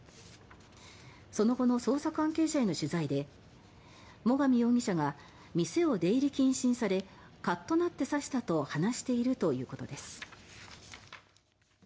その後の捜査関係者への取材で最上容疑者が店を出入り禁止にされカッとなって刺したと話しているということです。